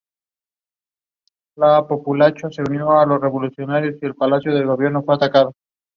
Obtuvo varios reconocimientos a su trayectoria profesional como cómico.